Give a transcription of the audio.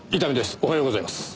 おはようございます。